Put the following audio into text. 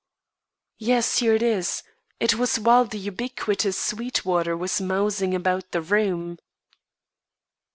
"Yes; here it is. It was while the ubiquitous Sweetwater was mousing about the room."